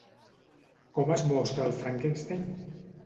Com es mostra el Frankenstein?